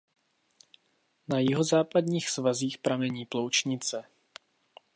Na jihozápadních svazích pramení Ploučnice.